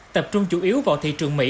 tập trung chủ yếu vào thị trường mỹ